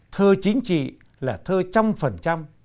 thơ chính trị là thơ trăm phần trăm